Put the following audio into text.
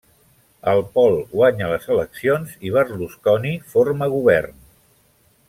El Pol guanya les eleccions i Berlusconi forma govern.